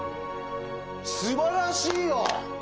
すばらしいよ！